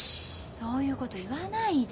そういうこと言わないで。